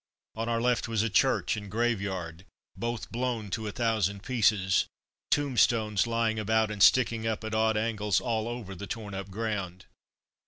On our left was a church and graveyard, both blown to a thousand pieces. Tombstones lying about and sticking up at odd angles all over the torn up ground.